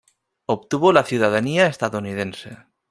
Obtuvo la ciudadanía estadounidense.